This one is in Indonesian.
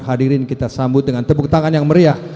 hadirin kita sambut dengan tepuk tangan yang meriah